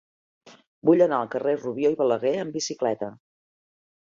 Vull anar al carrer de Rubió i Balaguer amb bicicleta.